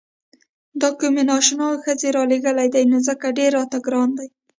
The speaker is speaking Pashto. دا کومې نا اشنا ښځې رالېږلي دي نو ځکه ډېر راته ګران دي.